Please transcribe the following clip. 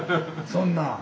そんな。